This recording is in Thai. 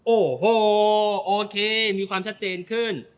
โอ้โหโอเคมีความชัดเจนขึ้น